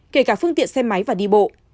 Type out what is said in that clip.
kể cả phương tiện xe máy và đi bộ